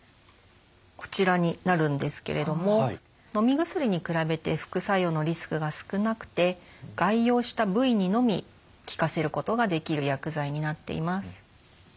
こちらになるんですけれども飲み薬に比べて副作用のリスクが少なくて外用した部位にのみ効かせることができる薬剤になっています。